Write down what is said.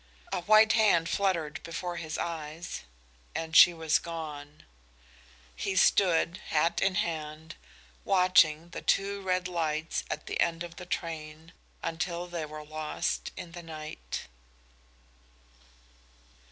A white hand fluttered before his eyes, and she was gone. He stood, hat in hand, watching the two red lights at the end of the train until they were lost in the night.